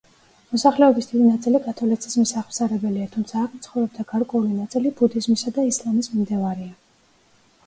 მოსახლეობის დიდი ნაწილი კათოლიციზმის აღმსარებელია, თუმცა აქ მცხოვრებთა გარკვეული ნაწილი ბუდიზმის და ისლამის მიმდევარია.